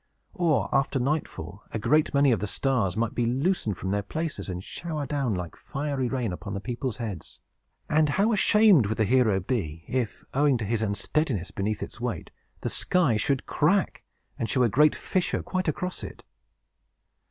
Or, after nightfall, a great many of the stars might be loosened from their places, and shower down, like fiery rain, upon the people's heads! And how ashamed would the hero be, if, owing to his unsteadiness beneath its weight, the sky should crack, and show a great fissure quite across it!